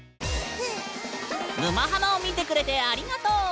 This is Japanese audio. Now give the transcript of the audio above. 「沼ハマ」を見てくれてありがとう！